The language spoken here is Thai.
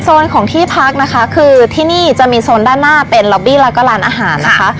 ของที่พักนะคะคือที่นี่จะมีโซนด้านหน้าเป็นล็อบบี้แล้วก็ร้านอาหารนะคะ